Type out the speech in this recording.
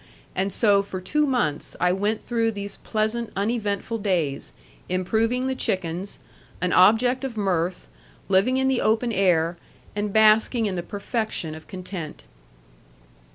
And so for two months I went through these pleasant uneventful days, improving the chickens, an object of mirth, living in the open air, and basking in the perfection of content.